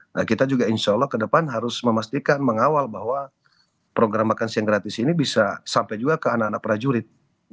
nah kita juga insya allah ke depan harus memastikan mengawal bahwa program makan siang gratis ini bisa sampai juga ke anak anak prajurit